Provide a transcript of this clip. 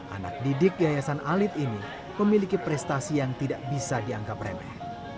anak didik yayasan alit ini memiliki prestasi yang tidak bisa dianggap remeh